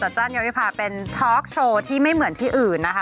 จ้านยาวิพาเป็นทอล์กโชว์ที่ไม่เหมือนที่อื่นนะคะ